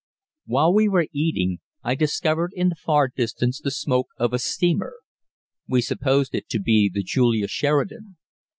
While we were eating, I discovered in the far distance the smoke of a steamer. We supposed it to be the Julia Sheridan.